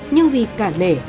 nhưng vì cả nể